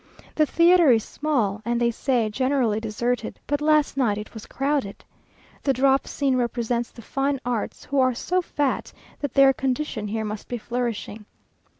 The theatre is small, and, they say, generally deserted, but last night it was crowded. The drop scene represents the fine arts, who are so fat, that their condition here must be flourishing.